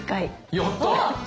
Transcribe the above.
やった！